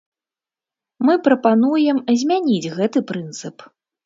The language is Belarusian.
Мы прапануем змяніць гэты прынцып.